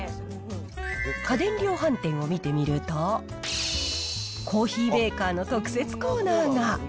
家電量販店を見てみると、コーヒーメーカーの特設コーナーが。